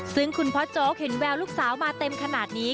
ซึ่งคุณพ่อโจ๊กเห็นแววลูกสาวมาเต็มขนาดนี้